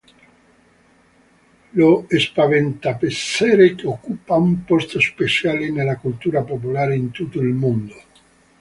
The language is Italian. Lo spaventapasseri occupa un posto speciale nella cultura popolare in tutto il mondo.